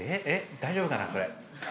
大丈夫かなそれ。